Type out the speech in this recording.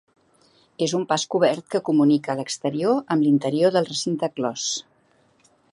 És un pas cobert que comunica l'exterior amb l'interior del recinte clos.